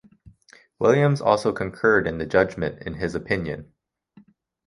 Williams also concurred in the judgment in his opinion.